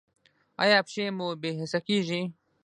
ایا پښې مو بې حسه کیږي؟